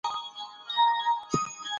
مرکبه کلمه له دوو برخو څخه جوړه سوې يي.